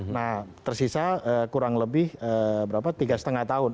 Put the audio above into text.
nah tersisa kurang lebih berapa tiga lima tahun